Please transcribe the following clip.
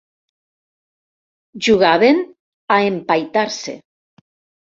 Jugaven a empaitar-se.